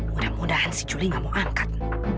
mudah mudahan si juli gak mau angkat